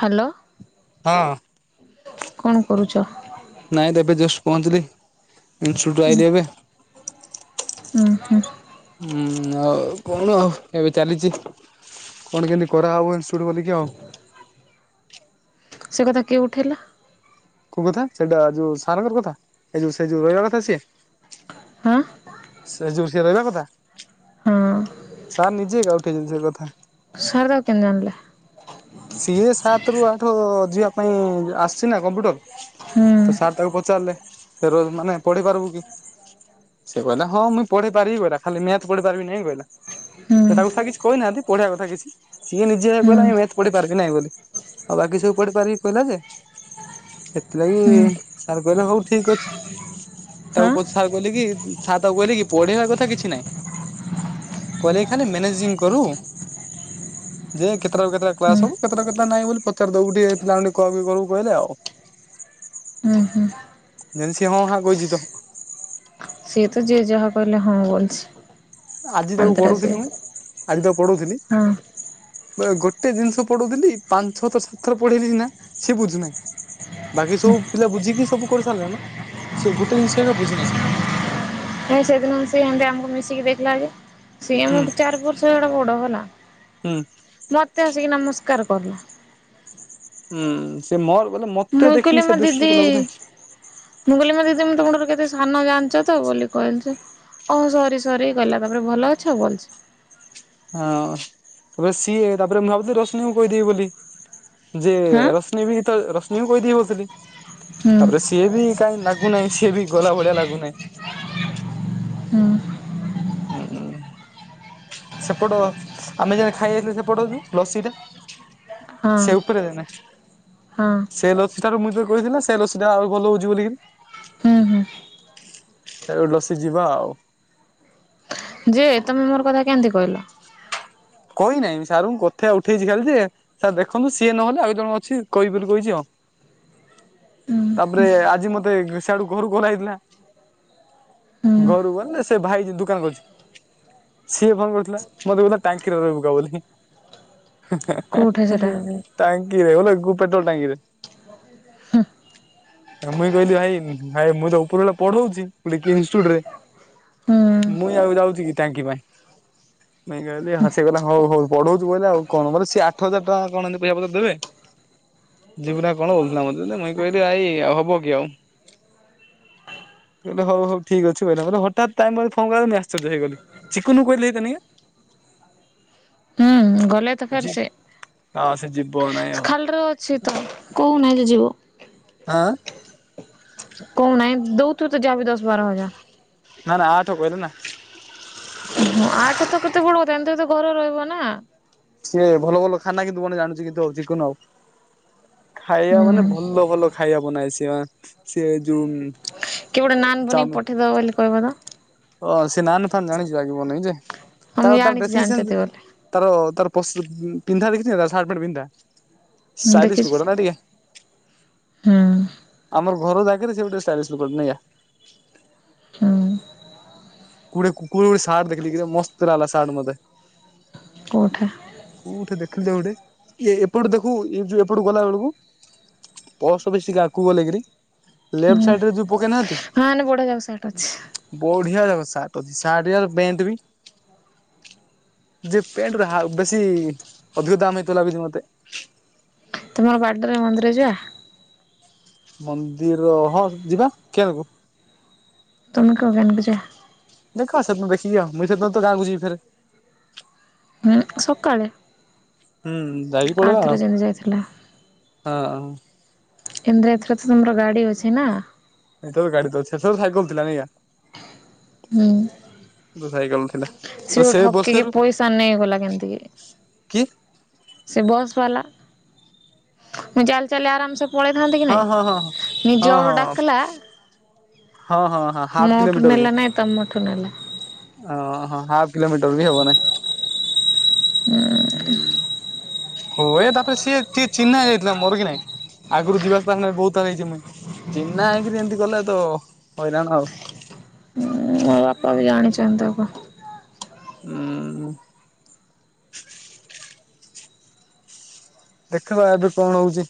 Hello. ହଁ। କଣ କରୁଚ। ନାଇଁ ତ ଏବେ ଜଷ୍ଟ ପହଞ୍ଚିଲି ଇନଷ୍ଟି୍ୟୁଟ ଆଇିଲ ଏବେ। ଉଁ ହୁଁ। ଉଁ ଆଉ କଣ ଆଉ ଏବେ ଚାଲିଛି କଣ କେମିତି କରାହେବ। ଇନ ଚୁଟ ବଲିକି ଆଉ। ସେ କଥା କିଏ ଉଠେଇଲା। କୋଉ କଥା ସେଇଟା ଯଉ ସାରଙ୍କର କଥା ଏ ଯୋଉ ସେ ଯୋଉ ରହିବା କଥା ସିଏ। ହଁ। ସେ ଯୋଉ ସେ ରହିବା କଥା ହଁ ସାର ନିଜେ ଏକା ଉଠେଇଚନ୍ତି ସେ କଥା। ସାର ତାକୁ କେନତି ଜାଣିଲେ। ସିଏ ସାତ ରୁ ଆଠ ଯିବା ପାଇଁ ଆସିଛି ନା କମ୍ପ୍ୟୁଟର। ହୁଁ ତ ସାର୍ ତାକୁ ପଚାରିଲେ ସେ ର ମାନେ ପଢି ପାରିବୁ କି? ସେ କହିଲା ହଁ ମୁଇଁ ପଢେଇ ପାରିବି ପରା। ଖାଲି ମ୳୲ଥ ପଢେଇ ପାରିବି ନାହିଁ କହିଲା। ହୁଁ ସେ ତାକୁଥା କିଛି କହିନାହାନ୍ତି ପଢିବା କଥା କିଛି ସିଏ ନିଜେ ହୁଁ କହିଲା ପଢ଼ିପାର କିି ନାଇଁ ବୋଲି ଆଉ ବାକି ସବୁ ପଢ଼ିପାରିବି କହିଲା ଯେ। ସେଥିଲାଗି ହୁଁ ସାର କହିଲେ ହଉ ଠିକ ଅଛି। ତାକୁ ହଁ ଉ ସାର୍ କହିଲେ କି ସାର ତାକୁ କହିଲେ କି ପଢିବା କଥା କିଛି ନାହିଁ। କହିଲେ କି ଖାଲି ମ୍ୟାନେଜିଙ୍ଗ କରୁ। ଯେ କେତେଟା ରୁ କେତେଟା ହୁଁ କାଲାସ ହବ କେତେଟା ରୁ କେତେଟା ନାହିଁ ବୋଲି ପଚାରି ଦବୁ ଟିକେ ପିଲା ମାନଙ୍କୁ କଲ କରିବୁ କହିଲେ ଆଉ। ଉଁ ହୁଁ। ଯେମିତି ସିଏ ହଁ ହାଁ କହିଛି ତ। ସିଏ ତ ଯିଏ ଯାହା କହିଲେ ହଁ ମାରୁଛି। ଆଜି ତାକୁ ପଢଉଥିଲି ମୁଁ ଆଜି ତାକୁ ପଢଉଥିଲି। ହଁ ହୁଁ। ଗୋଟେ ଜିନିଷ ପଢଉଥିଲି ପାଞ୍ଚ ଛଥର ସାତ ଥର ପଢେଇଲି ସିନା ସିଏ ବୁଝୁନାହିଁ। ବାକି ସବୁ ପିଲା ବୁଝିକି ସବୁ କରି ସାରିଲେଣି ନା। ସେ ଗୋଟେ ଜିନିଷ ଏକା ବୁଝି ନାହିଁ। ସିଏ ସେଦିନ ସିଏ ଏମିତି ଆମକୁ ମିଶିକି ଦେଖିଲା ଯେ? ସିଏ ହୁଁ ଆମର ଚାରି ବର୍ଷ ଏଡା ବଡ ହେଲା। ହୁଁ ମତେ ଆସିକି ନମସ୍କାର କଲା। ହୁଁ, ସେ ମୋର ବୋଲେ ମତେ ମୁଇଁ ଦେଖିକି କହିଲି ସେ ମୋ ଦୃଷ୍ଟିରୁ ଦିଦି, କଲା ବୋଧେ ମୁଁ କହିଲି ମୋ ଦିଦି। ମ [unintelligible] ତମର କେତେ ସାନ ଜାଣିଛ ତ, ବୋଲି କହିଲି ଯେ ଓହ ସରି ସରି ଗଲା, ତାପରେ ଭଲ ଅଛ, ଆଉ ଭଲଛି ହଁ ତାପରେ ସିଏ, ତାପରେ ମୁଁ ଭାବୁଥିଲି, - ରଶନୀଙ୍କୁ କହିଦେବି ବୋଲି ଯେ ହଁ। ରଶ୍ମି ବି ତ ରଶ୍ମି ବି କହିଦେଇ ବ ହୁଁ ତାପରେ ସିଏ ବି କାହିଁ ଲାଗୁନାହିଁ ସିଏ ବି ଗଲା ଭଳିଆ ଲାଗୁନାହିଁ ହୁଁ। ହୁଁ ସେପଟ ଆମେ ଯେନ୍ ଖାଇଯାଇଥିଲୁ ସେପଟ ଯଉ ଲସିଟା ହଁ ସେପରେ ନା ହଁ [unintelligible] ସେ ଲସିଠାରୁ ମୁଁ କହିଥିଲିନା, ସେ ଲସି ଆ ଭଲ ହଉଛି ହୁଁ ହୁଁ ବୋଲିିକି। ଏ ଉଲସି ଯିବା ଆଉ। ଯେ ତମେ ମୋର କଥା କେମିତି କହିଲ? କହିନାହିଁ ସାର୍ଁ କଥା ଉଠେଇଛି ଖାଲି ଯେ, ସାର୍ ଦେଖନ୍ତୁ, ସିଏ ନହେଲେ ଆଉ ଜଣ ଅଛି, କହିବି ବୋଲି କହିଛି ଆଉ। [inaudible] ତାପରେ ଆଜି ମତେ ଘସାଡୁ ଘରୁ କରା ହେଇଥିଲା। ହୁଁ ଘରୁ ଗଲେ ସେ ଭାଇ ଯେ ଦୁକାନ କରିଚି। ସିଏ ଫୋନ କରୁଥିଲା, ମତେ କହୁଥିଲା ଟାଇମ୍ କୋଉଠେ ସେଟା? [unintelligible] ପେଟ୍ରୋଲ ଟାଙ୍କିରେ। [inaudible] ମୁଇଁ କହିଲି ଭାଇ, ଭାଇ ମୁଁ ଯ ଉପର ବଳେ ପଢଉଛି [unintelligible] ହୁଁ ମୁଇଁ ଆଉ ଯାଉଛି କି ଟାଙ୍କି ପାଇଁ, ମୁଇଁ କହିଲି ସେ କହିଲା ହଉ ହଉ ପଢଉଚୁ, କହିଲେ ଆଉ କଣ ମ ସେ ଆଠ ହଜାର ଟଙ୍କା କଣ ଏମିତି ପଇସା ପତ୍ର ଦେବେ। ଯିବୁନା କଣ ବୁଲଥିଲାମତେ, ମୁଇଁ କହିଲି ଭାଇ ଆଉ ହବ କି ଆଉ। [inaudible] କହିଲେ ହଉ ହଉ ଠିକ ଅଛି କହିଲା, ହଠାତ୍ ଟାଇମ ଫୋନ କଲି ମ୍ୟାସେଜ୍ ହେଇଗଲି ଚିକୁନ କହିଲେ ହେଇ [unintelligible] [inaudible] ଗଲେ ତ ଫେର ସେ। ହ ସେ ଯିବ ନାଇଁ ଆଉ। ସେ ତ କହୁନାହି ଯେ ଯିବ। ଆଁ? ତୁ ତ ଯା ବି ଦଶ ବାର ହଜା। ନା ନା ଆଠ କହିଲ ନା। ହଁ ଆଠ ତ କେତେ ବଡ [unintelligible] ଏମତେ ତ ଘରେ ରହିବ ନା। ସିଏ ଭଲ ଭଲ ଖାନା କିନ୍ତୁ ବନାଇ ଜାଣଛି କିନ୍ତୁ ଆଉ ଚିକନୁ ଆଉ। ଖାଇବା ହୁଁ ମାନେ ଭଲ ଭଲ ଖାଇବା ବନାଏ ସେ ସେ ଅଁ ଯୋଉ। କି ଗୋଟେ ନାନ ବନେଇ ଚାଉମିନ ପଠେଇଦବ ବୋଲି କହିବ ନା। ହଁ ସେ ନାନ ଫାନ ଜାଣିଛିଗିବନଇ ଯେ ହଁ ମୁଁ ତାଳ ତାର ଜାଣିଛି ଡ୍ରେସିଙ୍ଗ ଜାଣିଛନ୍ତି ବୋଲି। ସ୍ନେସ୍ ତାର ତାର [unintelligible] ପିନ୍ଧା ଦେଖିଛୁ ନା ତା ସାଟ୍ ପେଣ୍ଟ ପିନ୍ଧା। ମୁଁ ସାଲିସ ଦେଖିଛି କୁକୁଡା ନା ଟିକେ। ହୁଁ ଆମର ଘର ଯାକିରେ ସେ ଗୋଟେ ଷ୍ଟାଇଲିସ ଲୋକ ନେ ଆ। ହୁଁ କୁଡେ [unintelligible] କେ ସାଡ଼ ଦେଖିଲ କି ମସ୍ତ [unintelligible] ସାଡ଼ ମତେ କୋଉଠା କୋଉଠି ଦେଖିଲ ଗୋଟେ ଇଏ ଏପଟୁ ଦେଖୁ ଏଇ ଯୋଉ ଏପଟୁ ଗଲା ବେଳକୁ। ପସ ବେସି ଗାକୁ ଗଲେକରି ଲେଫ୍ଟ ସାଇଡ ରେ ଯୋଉ ପକେଇ ନାହାନ୍ତି। [unintelligible] [unintelligible] ସାର୍ଟ [unintelligible] ପ୍ୟାଣ୍ଟ ବି। ଯେ ପ୍ୟାଣ୍ଟରେ ହାଉ ବେଶୀ ଅଧିକ ଦମ୍ ହେଇଥିଲା ବିଛି ମତେ। ତୁମର ବାଡେ ରେ ମନ୍ଦିର ଯିବା। ମନ୍ଦିର ହଁ ଯିବା [unintelligible] ତମେ [unintelligible] ଦେଖ ସେଦନୁ ଦେଖିନିଅ ମୁଇ ସେଦିନ ତ ଗାଁକୁ ଯିବି ଫେରେ। ଉଁ ସକାଳେ। ହୁଁ ଯାଇକି ପଳେଇବା ଆରଥର ଆଉ ଯେମିତି ଯାଇଥିଲା ହଁ। ଇନ୍ଦ୍ରା ଏଥରେ ତ ତମର ଗାଡି ଅଛି ନା। ଏଥର ଗାଡି ତ ଅଛି ସେତେଳ ସାଇକେଲ ଥିଲା ନେଇଆ। [unintelligible] ସାଇକେଲ ଥିଲା। ସିଅ ସେ ଠକିକି ବର୍ଷେରୁ ପଇସା ନେଇଗଲା କେମତି କି। କିଏ? ସେ ବସ ବାଲା ମୁଁ ଚାଲ ଚାଲି ଆରାମ ସେ ପଳେଇଥାନ୍ତି କି ହଁ ନାଇଁ ହଁ ହଁ ନିଜ ହଁ ହଁ ଆଡୁ ହଁ ଡାକଲା। ହଁ ହଁ ହଁ ହାଫ୍ ମୋଠୁ କିଲୋମିଟରକୁ ନେଲା ନାଇଁ ତମୋଠୁ ନେଲା। ହାଫ କିଲୋମିଟର ବି ହବନାହିଁ। ହୁଏ ତାପରେ ସିଏ ଚି ଚିହ୍ନା ହେଇ ଯାଇଥିଲା ମୋର କି ନାଇଁ? ଆଗୁରୁ ଯିବାସ ନଁ ବହୁତଥର ହେଇଛି ମୁଇଁ। ଚିହ୍ନା ହେଇକିରି ଏନ୍ତି କଲେ ତ ହଇରାଣ ଆଉ। ହୁଁ ଆ ବାପା ବି ଜାଣିଛନ୍ତି ତାକୁ। ହୁଁ। ଦେଖିବା ଏବେ କଣ ହଉଛି?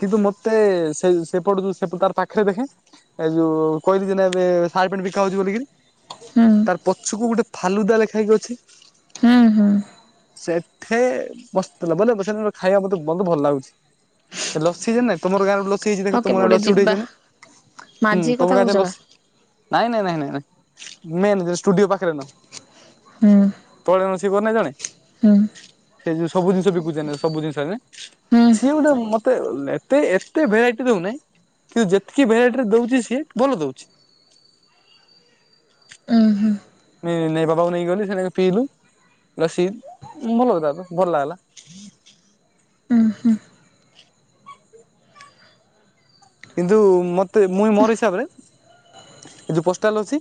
କିନ୍ତୁ ମତେ ସେ ସେପଟେ ଯ ସେପଟ ତାର ପାଖରେ ଦେଖେ। ଏ ଯୋଉ କହିଲି ଯେନା ଏବେ ଶାଟ୍ ପେଣ୍ଟ ବିକା ହଉଛି ବୋଲିକିରି। ହୁଁ ତାର ପଛୁକୁ ଗୁଟେ ଫାଲୁଦା ଲେଖା ହେଇକି ଅଛି। ହୁଁ ହୁଁ। ସେଠେ ବସ୍ [unintelligible] ଖାଇବା ମତେ ବହୁତ୍ ଲାଗୁଛି ଲାଗୁଛି ଲସି ଯେନେ ତମର ଗାଁରେ ଲ ସିଜି ଦେଖେ ହଁ ତୁମ କେବେ ଗାଁ ଗୋଟେ ଲସି ଯିବା ଉଡେଇଛିନା ଉଁ ମାଝି ତମ କଥା ଗାଁକେ କହୁଛ ବା ଲସି ନାଇଁ ନାଇଁ ନାଇଁ ନାଁଇ ନ ମେନ୍ ଯେ ଷ୍ଟୁଡିଓ ପାଖରେ ନ। ହୁଁ। [unintelligible] ଜଣେ ହୁଁ। ସେ ଯୁ ସବୁ ଜିନିଷ ବିକୁଛେ ନେ ସବୁ ଜିନିଷ ନେ ହୁଁ ସିଏ ଗୁଟେ ମ ତେ ଏତେ ଏତେ ଭେରାଇଟି ଦଉନାହିଁ କିନ୍ତୁ ଯେତକି ଭେରାଇଟିରେ ଦଉଛି ସିଏ ଭଲ ଦଉଛି। ଉଁ। ହୁଁ ନି ନେ ବାପାକୁ ନେଇ ଗଲି ସେନା ପିଇଲୁ। ରସି ଭଲ କଥା ତ ଭଲ ଲାଗ୍ ଲା। ଉଁ ହୁଁ। କିନ୍ତୁ ମତେ ମୁଇଁ ମୋର ହିସାବରେ ଏ ଯୋଉ ପୋଷ୍ଟାଲ ଅଛି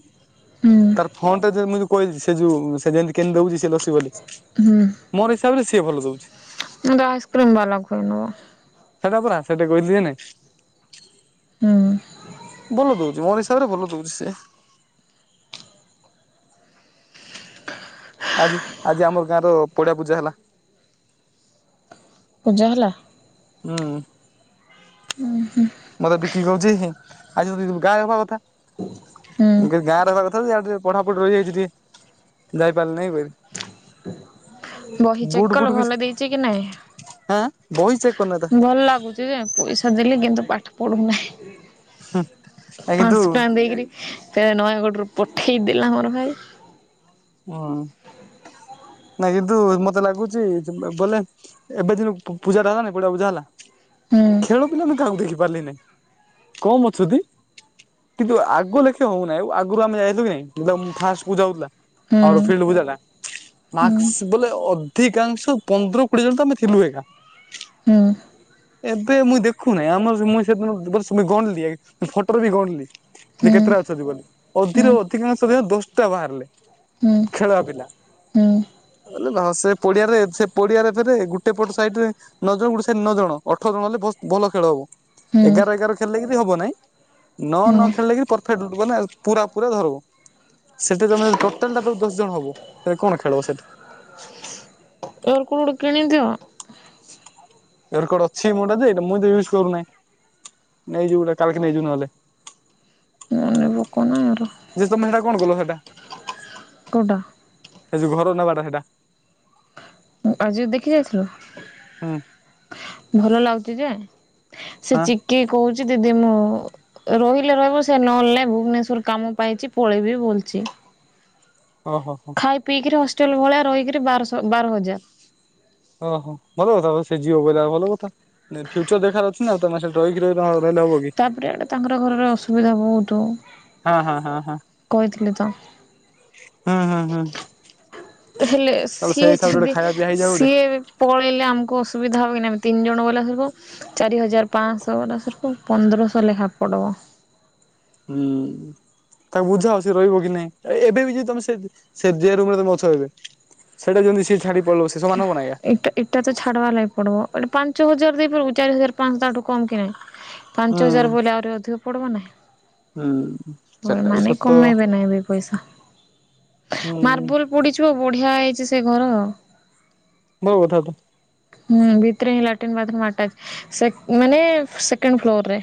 ହୁଁ ତାର ଫନ ଟା ଯେ ମୁଁଇ ଯୋଉ କହି ସେ ଯ‌ଉ ସେ ଯେନ୍ତି କେନ୍ ଦଉଛି ସେ ଲସିବାଲି। ହୁଁ। ହିସାବରେ ସିଏ ଭଲ ଦଉଛି। ମୁଣ୍ଡ ଆଇସ୍କ୍ରିମ ବାଲା ଖୋଇନବ ସେଟା ପରା ସେଟା କ‌ଇଲି ଏ ନାଇ ହୁଁ। ଭଲ ଦଉଛି। ମୋର ହିସାବରେ ଭଲ ଦଉଛି ସେ। ଆଜି ଆଜି ଆମ ଗାଁର ପଡିଆ ପୂଜା ହେଲା। ପୂଜା ହେଲା। ଉଁ‌। ମତେ ବିକି କହୁଛି ହିଁ ଗା ହବା କଥା। ହୁଁ ଗେଗାଁରେ କଥା ଆଉ ଟିକେ ପଢାପଢି ରହିଯାଇଛି ଟିକେ ଯାଇପାରିଲି ନାଇଁ ବେ। ବହି ଚେକ୍ କଲ କିଛି ଭଲ ଦେଇଛି କି ନାଇଁ। ଆଁ ବହି ଚେକ୍ କରିନତା ଭଲ୍ ଲାଗୁଛି ଯେ ପଇସା ଦେଲି କିନ୍ତୁ ପାଠ୍ ପଢୁନାହିଁ। କିନ୍ତୁ ପାଂଶ ଟଙ୍କା ଦେଇକିରି ନୟାଗଡ଼ରୁ ପଠେଇ ଦେଲା ମୋର୍ ଭାଇ। ହଁ। [inaudible] ନାଇଁ କିନ୍ତୁ ମତେ ଲାଗୁଛି [unintelligible] ବୋଲେ ଏବେ ଦିନୁ ପୂ ପୂଜା ଟା ହେଲାନ ପଡିଆ ପୂଜା ହେଲା। ହୁଁ ଖେଳ ପିଲା ମୁଁ କାହାକୁ ଦେଖି ପାରିଲିନି କମ ଅଛନ୍ତି। କିନ୍ତୁ ଆଗ ଲେଖିବା ହଉନାହିଁ। ଆଗରୁ ଆମେ ଯାଇଥିଲୁ କି ନାଇଁ [unintelligible] ଫାଷ୍ଟ ପୂଜା ଉଥିଲା। ହୁଁ ଅର ଫିଲ୍ଡ୍ କୁ ଦେଲା। ହୁଁ ମାକ୍ସ ବୋଲେ ଅଧିକାଂଶ ପନ୍ଦର କୁଡିଏଜନ୍ ତ ମେ ଥିଲୁ ଏକା। ହୁଁ ହୁଁ ଏବେ ମୁଇଁ ଦେଖୁନାହିଁ। ଆମରସ ମୁଇଁ ସେଦିନ [unintelligible] ଗଣଲି ଫଟୋର ବି ଗଣଲି। ଯେ ହୁଁ କେତେଟା ଅଛନ୍ତି ବୋଲି ଅଧେରୁ ହୁଁ ଅଧିକାଂଶ ଦଶଟା ବାହାରିଲେ। ହୁଁ ଖେଳେବାପିଲା। ହୁଁ ହୁଁ ସେ ପଡିଆରେ ସେ ପଡିଆରେ ଫେରେ ଗୋଟେ ପଟ ସାଇଡରେ ନ ଜଣ ଗୋଟେ ସାଇଡ ନ ଜଣ। ଅଠର ଜଣ ହେଲେ ଭଲ ଖେଳ ହବ ୟାର ଏଗାର ଏଗାର ଖେଳିଲେ କି ହବ ନାଇ ନ ନ ଖେଳିଲ [unintelligible] ପୁରା ପ ଧରିବ୍। ସେଠି ତମେ ଟୋଟାଲ ଟା ତ ଦଶ ଜଣ ହବ ସେ କଣ ଖେଳ ସେଠି? ଏର କୋଉଠୁ କିଣିଦିଅ? ଇଅରକଡ୍ ଅଛି ମୋଟା ଯେ ମୁଁ ତ ୟୁଜ କରୁନାହିଁ। ନେଇଯିବ ଗଟେ କାଲକ ନେଇଯିବ ନହେଲେ। ରୋକ ନା ଆର। ଯେ ତମେ ସେଟା କଣ କଲ ସେଟା ସେ ଯୋଉ ଘର ନେବାଟା ସେଇଟା। ଆଜି ଦେଖି ଯାଇଥିଲୁ? ହୁଁ। ଭଲ ଲାଗୁଛି ଯେ ସେ ହଁ ଚିକି କହୁଛି ଦିଦି ମୁଁ ରହିଲେ ରହିବ ସେ ନହେଲେ ଭୁବନେଶ୍ଵର କାମ ପାଇଛି ପଳେଇବି ବୋଲୁଛି। [inaudible] ଓହୋ ହୋ ଖାଇ ପିଇକିରି ହଷ୍ଟେଲ ଭଳିଆ ରହିକି ବାରସ ବାର ହଜାର। ଓହୋ ଭଲ କଥା ସେ ଯିବ ବ ଭଲ କଥା ଫ୍ୟୁଚର ଦେଖାର ଅଛି ନା ତ ରହିକି ରହ। [unintelligible] ତାପରେ ଆଡେ ତାଙ୍କର ଘରରେ ଅସୁବିଧା ବହୁତ। ହଁ ହଁ ହଁ ହଁ କହିଥିଲି ତ। ହୁଁ ହୁଁ ହୁଁ। ତ ହେଲେ ତାହେଲେ ସେଇ ସିଏ ହିସାବରେ ଗୋଟେ ଯଦି ଖାଇବା ପିଇବା ହେଇଯାଉ ଗୋଟେ। ସିଏ ପଳେଇଲେ ଆମକୁ ଅସୁବିଧା ହବ କି ନମ? ତିନି ଜଣ ବଲା ସର୍ପ ଚାରି ହଜାର ପାଞ୍ଚଶହ ବଲା ସର୍ପ ପନ୍ଦରଶହ ଲେଖା ପଡ଼ବ। [inaudible] ହୁଁ। ତାକୁ ବୁଝା ସିଏ ରହିବ କି ନାଇଁ ଏବେ ବି ଯେ ତମେ ସେ ଯେ ରୁମରେ ତମେ ଅଛ ଏବେ। ସେଇଟା ଯେମିତି ସେ ଛାଡି ପଳେଇବ ସେ ସମାନ ହବ ନା ଆଜ୍ଞା। ଏଇଟା ଏଇଟା ତ ଛାଡ଼ୱ ଲାଗ ପଡିବ। ମଟେ ପାଞ୍ଚ ହଜାର ଦେଇପାରିବୁ ଚାରି ହଜାର ପାଞ୍ଚଠୁ କମ କି ନାହିଁ ପାଞ୍ଚ ହୁଁ ହଜାର ବଲେ ଆହୁରି ଅଧିକ ପଡବ ହୁଁ। ନାହିଁ ସେଟା ବି ମାନେ ସତ କମେଇବେ ନାହିଁ ବି ପଇସା। ହୁଁ ମାର୍ବୁଲ ପୋଡିଛିବ ଆ ବଢିଆ ହେଇଛି ସେ ଘର। ଭଲ କଥା ତ। ହୁଁ ଭିତରେଁ ଲାଟ୍ରିନ୍ ବାଥ୍ରରୁମ ଆଟାଚ ସେ ମାନେ ସେକେଣ୍ଡ ଫ୍ଲୋରରେ।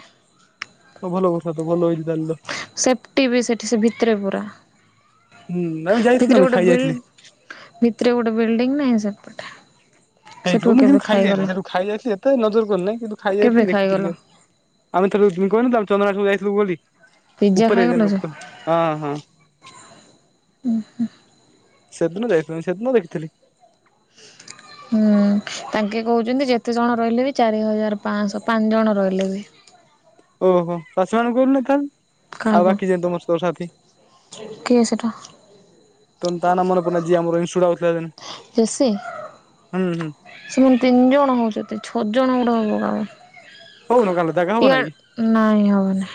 ତ ଭଲ କଥା ତ ଭଲ ହେଇଛି ତାହେଲେ ତ। ସେଫ୍ଟି ବି ସେଠି ସେ ଭିତରେ ପୁରା। ହୁଁ ଆମେ ଯାଇଥିଲୁ ଭିତରେ ଆମେ ଗୋଟେ ଖାଇ ଯାଇଥିଲି। ବିଲ୍ଡ ଭିତରେ ଟେ ବିଲ୍ଡିଂ ନାହିଁ ସେପଟେ। ସେଠୁ ହେଇଥିବ ମୁଁ କେବେ କିନ୍ତୁ ଖାଇଗଲ ଖାଇଯାଇଥିଲି ସେଠୁ ଖାଇ ଯାଇଥିଲି ଏତେ ନଜର କରିନହିଁ କିନ୍ତୁ ଖାଇ କେବେ ଯାଇଥିଲି ଖାଇଗଲ ଦେଖିଥିଲି। ଆମ ଥର [unintelligible] ତମ ଚନ୍ଦ୍ର ଆ ଯ। [unintelligible] ପିଜ୍ଜା ଖାଇଗଲ ଉପରେଦଣ ଯେ। ଉପ ହଁ ହ। ସେଦିନ ଯାଇଥିଲ ସେଦିନ ଦେଖିଥିଲି। ହୁଁ ତାଙ୍କେ କହୁଛନ୍ତି ଯେତେ ଜଣ ରହିଲେ ବି ଚାରି ହଜାର ପାଞ୍ଚଶହ ପାଞ୍ଚ ଜଣ ରହିଲେ ବି। [inaudible] ଓହୋ ଚାଷୀ ମାନଙ୍କୁ କ ତାହେଲେ ଆଉ କାହାକୁ ବାକି ଯେହେତୁ ମୋ ସାଥି। କିଏ ସେଟା [unintelligible] କେସେ? ହୁଁ ହୁଁ ସେମାନେ ତିନି ଜଣ ହଉଛନ୍ତି ଛଅ ଜଣ ଗୋଟେ ହବ କା। ହଉନ କାଲି ଜାଗା ହବ ନାଇଁ କି? ଇଆଡ଼େ ନାଇ ହବନି।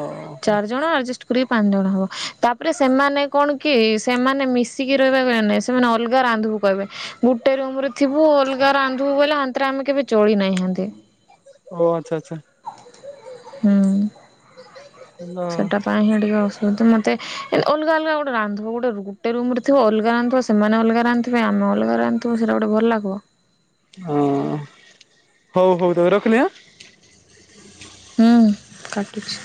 ଓହୋ। ଚାରି ଜଣ ଆଡଜଷ୍ଟ କରି ପାଞ୍ଚ ଜଣ। ହବ ତାପରେ ସେମାନେ କଣ କି ସେମାନେ ମିଶିକି ରହିବା କହିବା ନାଇ ସେମାନେ ଅଲଗା ରାନ୍ଧୁବ କହିବେ। [unintelligible] ଓ ଆଛା ଆଚ୍ଛା। ହୁଁ ସେଟା ପାଇଁ ହିଁ ଟିକେ ଅସୁବିଧା ମତେ ଅଲଗା ଅଲଗା ଗୋଟେ ରାନ୍ଧ ଥିବ ଗୋଟେ ଗୁଟେ ରୁମ ରେ ଥିବୁ ଅଲଗା ରାନ୍ଧଥିବ ସେମାନେ ଅଲଗା ରାନ୍ଧିଥିବେ ଆମେ ଅଲଗା ରାନ୍ଧିଥିବୁ ତେ ଗୋଟେ ଭଲ ଲାଗିବ। ହଁ ହଉ ହଉ ରହ ରଖିଲି ଆଁ? ହୁଁ କାଟୁଛି।